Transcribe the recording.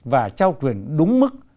và trao quyền đúng mức